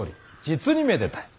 実にめでたい。